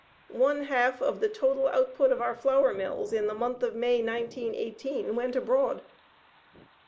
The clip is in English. One half of the total output of our flour mills in the month of May, 1918, went abroad.